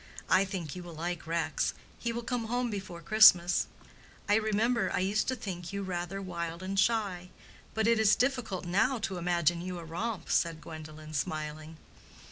I think you will like Rex. He will come home before Christmas." "I remember I used to think you rather wild and shy; but it is difficult now to imagine you a romp," said Gwendolen, smiling.